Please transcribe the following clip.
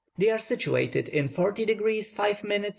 They are situated in 40 degrees 5 minutes S.